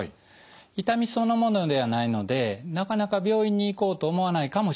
痛みそのものではないのでなかなか病院に行こうと思わないかもしれません。